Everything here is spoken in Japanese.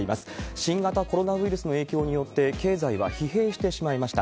新型コロナウイルスの影響によって、経済は疲弊してしまいました。